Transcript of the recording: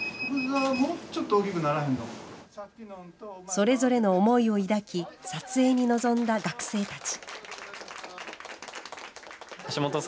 それぞれの思いを抱き撮影に臨んだ学生たち。